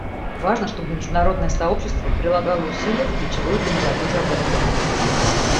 Важно, чтобы международное сообщество прилагало усилия в ключевых для молодежи областях.